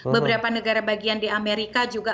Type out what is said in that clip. beberapa negara bagian di amerika juga